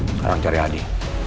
sekarang cari adi